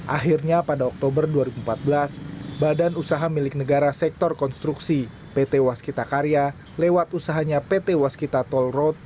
akhirnya pada oktober dua ribu empat belas badan usaha milik negara sektor konstruksi pt waskita karya lewat usahanya pt waskita toll road